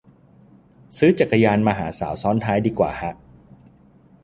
ซื้อจักรยานมาหาสาวซ้อนท้ายดีกว่าฮะ